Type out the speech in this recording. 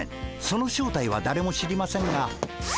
その正体はだれも知りませんが。